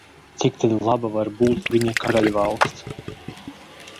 Cik tad laba var būt viņa karaļvalsts?